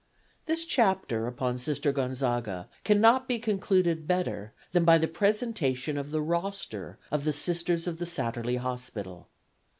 This chapter upon Sister Gonzaga cannot be concluded better than by the presentation of the roster of Sisters of the Satterlee Hospital.